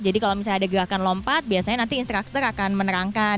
jadi kalau misalnya ada gerakan lompat biasanya nanti instraktor akan menerangkan